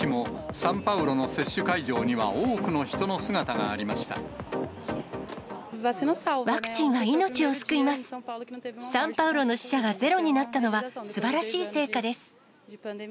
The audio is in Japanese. サンパウロの死者がゼロになったのは、すばらしい成果です。